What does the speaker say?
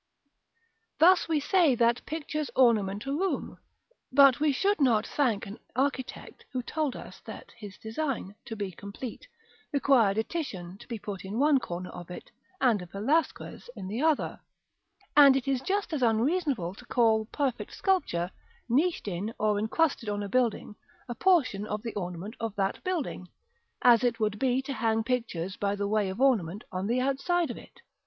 Thus we say that pictures ornament a room; but we should not thank an architect who told us that his design, to be complete, required a Titian to be put in one corner of it, and a Velasquez in the other; and it is just as unreasonable to call perfect sculpture, niched in, or encrusted on a building, a portion of the ornament of that building, as it would be to hang pictures by the way of ornament on the outside of it.